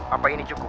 apa ini cukup